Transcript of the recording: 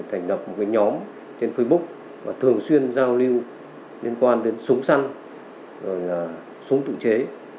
thành lập một nhóm trên facebook và thường xuyên giao lưu liên quan đến súng săn súng tự chế